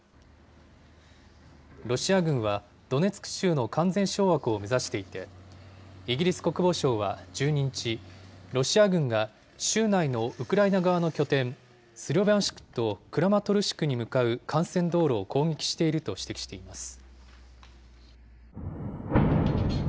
ロシア軍は、ドネツク州の完全掌握を目指していて、イギリス国防省は１２日、ロシア軍が州内のウクライナ側の拠点、スロビャンシクとクラマトルシクに向かう幹線道路を攻撃していると指摘しています。